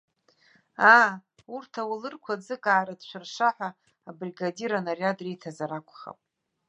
Аа, урҭ ауалырқәа ӡык аарҭшәырша ҳәа абригадир анариад риҭазар акәхап.